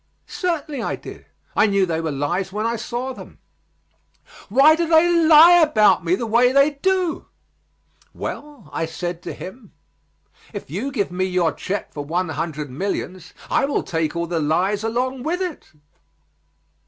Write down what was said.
"Certainly I did; I knew they were lies when I saw them." "Why do they lie about me the way they do?" "Well," I said to him, "if you will give me your check for one hundred millions, I will take all the lies along with it."